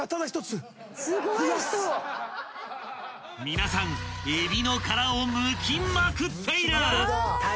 ［皆さんえびの殻をむきまくっている！］